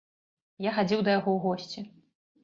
Я хадзіў да яго ў госці.